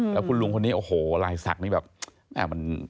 แล้วคุณลุงคนนี้โอ้โหลายศักดิ์นี่แบบมัน